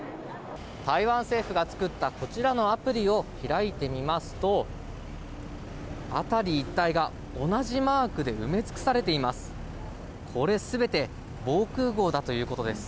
台湾政府が作ったこちらのアプリを開いてみますと辺り一帯が同じマークで埋め尽くされています。